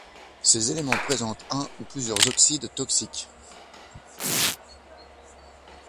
Ces éléments présentent un ou plusieurs oxydes toxiques.